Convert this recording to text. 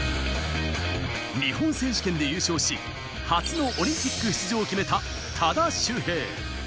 日本選手権で優勝し、初のオリンピック出場を決めた多田修平。